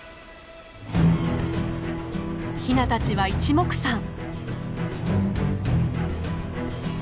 ヒナたちはいちもくさん。